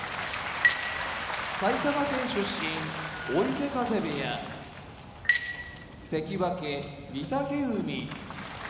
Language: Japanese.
埼玉県出身追手風部屋関脇・御嶽海